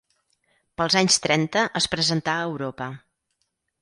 Pels anys trenta es presentà a Europa.